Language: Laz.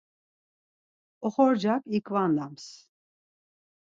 Oxorcak iǩvandams.